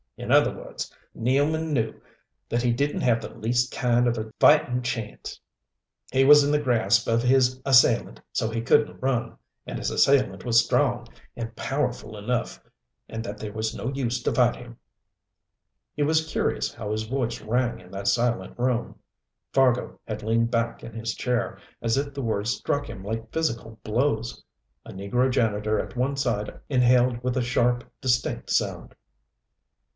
In other words, Nealman knew that he didn't have the least kind of a fighting chance. He was in the grasp of his assailant so he couldn't run. And his assailant was strong and powerful enough that there was no use to fight him." It was curious how his voice rang in that silent room. Fargo had leaned back in his chair, as if the words struck him like physical blows. A negro janitor at one side inhaled with a sharp, distinct sound.